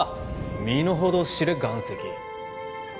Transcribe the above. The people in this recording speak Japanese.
身のほどを知れ岩石